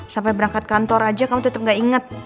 sampai berangkat kantor aja kamu tetap gak inget